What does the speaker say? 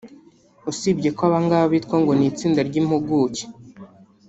usibye ko abangaba bitwa ngo ni itsinda ry’impuguke